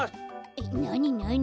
えっなになに？